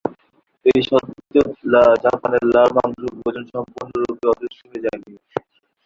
এই সত্ত্বেও জাপানে লাল মাংস ভোজন সম্পূর্ণরূপে অদৃশ্য হয়ে যায়নি।